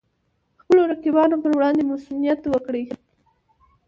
خپلو رقیبانو پر وړاندې مصئونیت ورکړي.